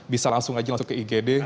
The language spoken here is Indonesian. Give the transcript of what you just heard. bisa langsung aja masuk ke igd